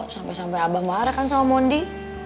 sampai sampai abah marah kan sama mondi